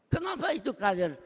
kenapa itu kader